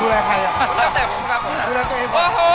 ดูแลตัวเองก่อน